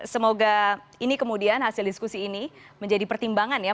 semoga ini kemudian hasil diskusi ini menjadi pertimbangan ya